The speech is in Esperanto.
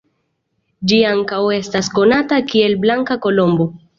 Ĝi ankaŭ estas konata kiel "Blanka Kolombo".